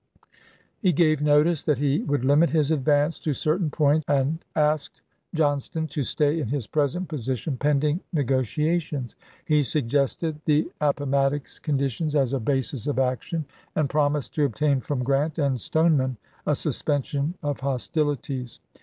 He gave notice that he would limit his advance to certain points, and asked Johnston to stay in his present position pending negotiations. He sug gested the Appomattox conditions as a basis of JOHNSTON'S SURRENDER 245 action; and promised to obtain from Grant and chap. xii. Stoneman a suspension of hostilities.